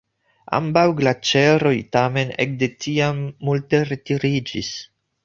Ambaŭ glaĉeroj tamen ek de tiam multe retiriĝis.